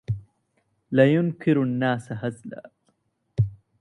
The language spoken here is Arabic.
لا ينكر الناس هزلا